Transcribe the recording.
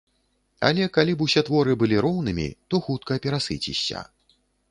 Але калі б усе творы былі роўнымі, то хутка перасыцішся.